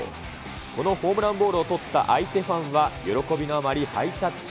このホームランボールを取った相手ファンは、喜びのあまりハイタッチ。